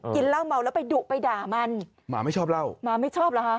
กินเหล้าเมาแล้วไปดุไปด่ามันหมาไม่ชอบเล่าหมาไม่ชอบเหรอฮะ